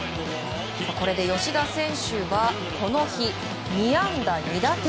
これで吉田選手は、この日２安打２打点！